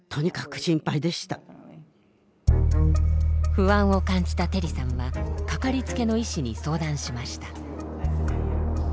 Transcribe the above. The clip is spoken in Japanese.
不安を感じたテリさんは掛かりつけの医師に相談しました。